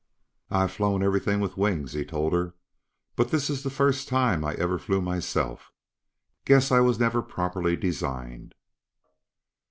"I've flown everything with wings," he told her, "but this is the first time I ever flew myself. Guess I was never properly designed."